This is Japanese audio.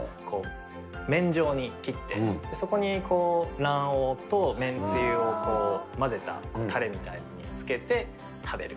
麺状に切って、そこに卵黄と麺つゆを混ぜたたれみたいのにつけて、食べる。